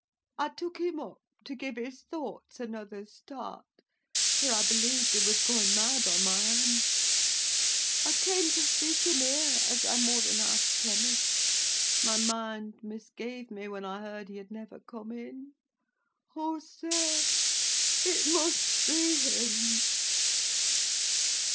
I took him up, to give his thoughts another start; for I believed he was going mad on my hands. I came to seek him here, as I more than half promised. My mind misgave me when I heard he had never come in. O, sir I it must be him!"